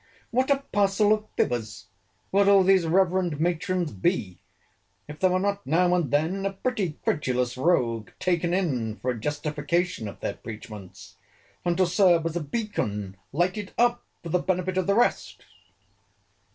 —What a parcel of fibbers would all these reverend matrons be, if there were not now and then a pretty credulous rogue taken in for a justification of their preachments, and to serve as a beacon lighted up for the benefit of the rest?